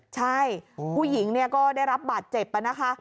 ใช่ผู้หญิงเนี่ยก็ได้รับบัตรเจ็บนะคะ